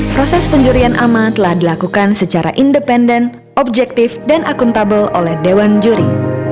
proses penjurian ama telah dilakukan secara independen objektif dan akuntabel oleh dewan juri